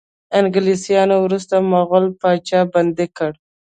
انګلیسانو وروستی مغول پاچا بندي کړ.